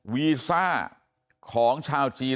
วีซ่าของชาวจีน